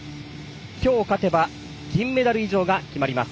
きょう勝てば銀メダル以上が決まります。